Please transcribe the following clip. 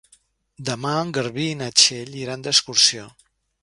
Demà en Garbí i na Txell iran d'excursió.